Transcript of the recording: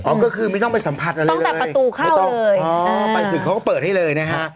อ๋อก็คือไม่ต้องไปสัมผัสเลยเลยไม่ต้องอ๋อไปถึงเขาก็เปิดให้เลยนะฮะ